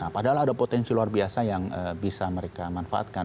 padahal ada potensi luar biasa yang bisa mereka manfaatkan